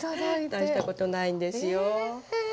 大したことないんですよ。え！